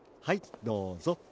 はいどうぞ。